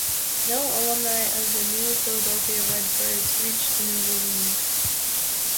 No alumni of the New Philadelphia Red Birds reached the major leagues.